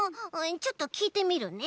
ちょっときいてみるね。